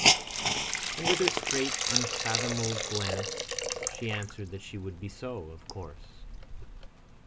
And with her straight, unfathomable glance she answered that she would be so, of course.